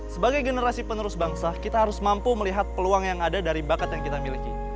sebagai generasi penerus bangsa kita harus mampu melihat peluang yang ada dari bakat yang kita miliki